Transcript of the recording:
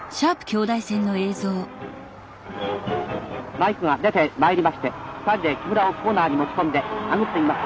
マイクが出てまいりましてつかんで木村をコーナーに持ち込んで殴っています。